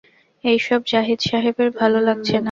এইসব জাহিদ সাহেবের ভালো লাগছে না।